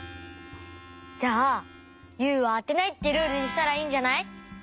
じゃあ「ユウはあてない」ってルールにしたらいいんじゃない？